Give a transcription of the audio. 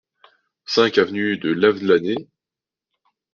cinq avenue de Lavelanet